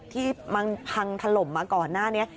ที่มันพังถล่มมาก่อนหน้านี้